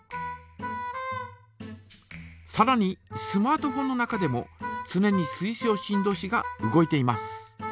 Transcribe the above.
さらにスマートフォンの中でもつねに水晶振動子が動いています。